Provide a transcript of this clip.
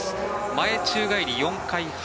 前宙返り４回半。